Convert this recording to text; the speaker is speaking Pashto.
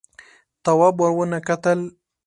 تواب ور ونه کتل.